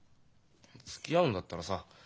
つきあうんだったらさ